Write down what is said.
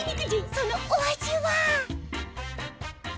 そのお味は？